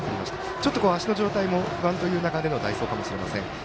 ちょっと足の状態も不安という中での代走かもしれません。